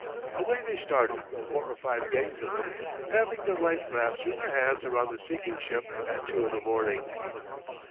Away they started, four or five gangs of them, paddling their life rafts with their hands around the sinking ship at two in the morning.